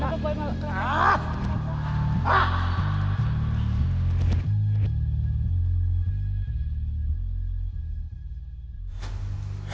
pak pak pak pak